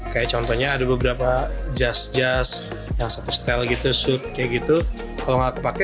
kayak contohnya ada beberapa jas jas yang satu stel gitu sup kayak gitu kalau nggak kepake